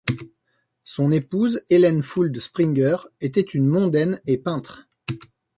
Son épouse, Hélène Fould-Springer, était une mondaine et peintre.